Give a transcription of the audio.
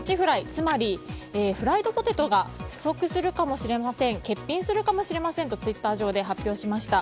つまりフライドポテトが不足するかもしれません欠品するかもしれませんとツイッター上で発表しました。